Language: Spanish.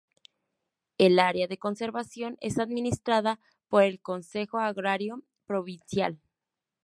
El área de conservación es administrada por el Consejo Agrario Provincial.